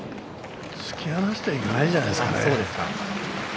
突き放してのはいかないじゃないですかね。